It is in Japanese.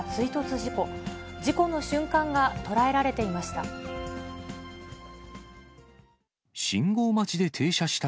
事故の瞬間が捉えられていました。